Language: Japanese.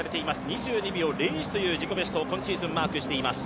２２秒０１という自己ベストを今シーズンマークしています。